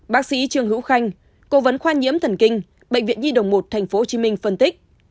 bác sĩ trương hữu khanh cố vấn khoa nhiễm thần kinh bệnh viện nhi đồng một tp hcm phân tích